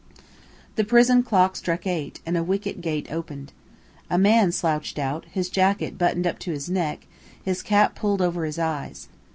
The prison clock struck eight, and a wicket gate opened. A man slouched out, his jacket buttoned up to his neck, his cap pulled over his eyes.